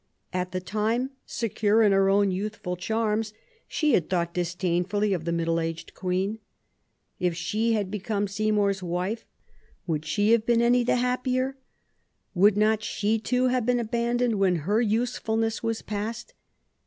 At the time, secure in her own youthful charms, she had thought disdainfully of the middle aged queen. If she had become Seymour's wife, would she have been any the THE YOUTH OF ELIZABETH. 17 happier ? Would not she too have been abandoned when her usefulness was past?